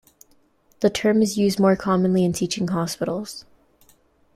The term is used more commonly in teaching hospitals.